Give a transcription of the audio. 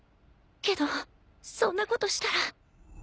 けどそんなことしたら